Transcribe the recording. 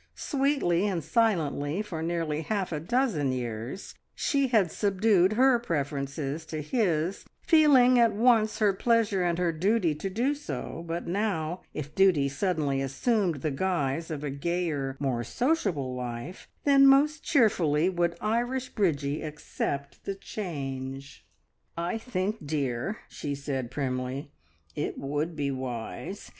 Sweetly and silently for nearly half a dozen years she had subdued her preferences to his, feeling it at once her pleasure and her duty to do so, but now, if duty suddenly assumed the guise of a gayer, more sociable life, then most cheerfully would Irish Bridgie accept the change. "I think, dear," she said primly, "it would be wise.